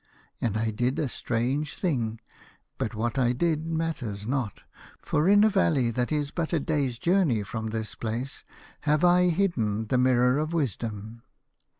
" And I did a strange thing, but what I did matters not, for in a valley that is but a day's journey from this place have I hidden the Mirror of Wisdom.